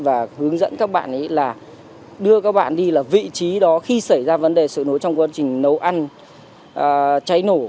và hướng dẫn các bạn ấy là đưa các bạn đi là vị trí đó khi xảy ra vấn đề sự nổ trong quá trình nấu ăn cháy nổ